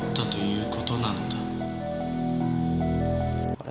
あれ？